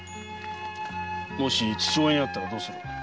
もし父親に会ったらどうする？